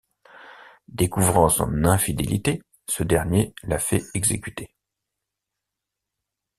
Découvrant son infidélité, ce dernier la fait exécuter.